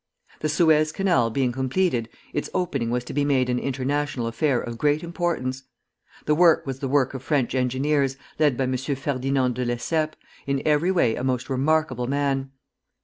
The Suez Canal being completed, its opening was to be made an international affair of great importance. The work was the work of French engineers, led by M. Ferdinand de Lesseps, in every way a most remarkable man.